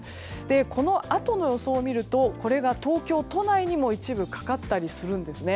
このあとの予想を見るとこれが東京都内にも一部かかったりするんですね。